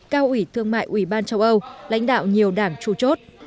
cao ủy thương mại ủy ban châu âu lãnh đạo nhiều đảng tru chốt